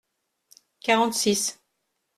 Quarante-six.